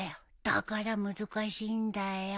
だから難しいんだよ。